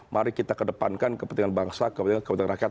mari kita kedepankan kepentingan bangsa kepentingan rakyat